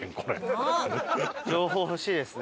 情報欲しいですね。